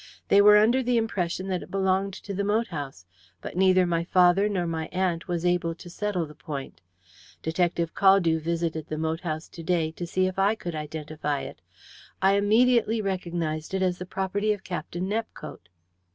They were under the impression that it belonged to the moat house, but neither my father nor aunt was able to settle the point. Detective Caldew visited the moat house to day to see if I could identify it. I immediately recognized it as the property of Captain Nepcote."